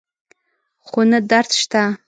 خو نه درد شته